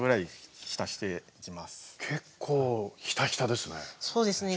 結構ひたひたですね。